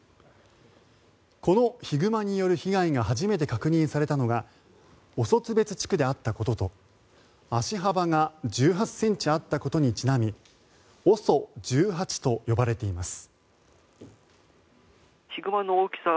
このヒグマによる被害が初めて確認されたのがオソツベツ地区であったということと足幅が１８ｃｍあったことにちなみＯＳＯ１８と呼ばれています。